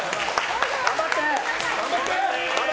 頑張って！